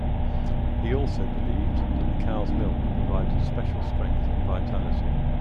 He also believed that the cow's milk provided special strength and vitality.